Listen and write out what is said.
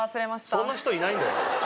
そんな人いないんだよ